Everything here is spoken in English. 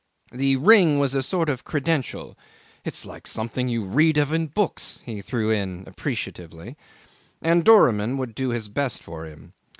The ring was a sort of credential ("It's like something you read of in books," he threw in appreciatively) and Doramin would do his best for him.